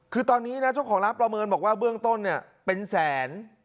คือตอนนี้นะเจ้าของร้านประเมินบอกว่าเบื้องต้นเนี่ยเป็นแสน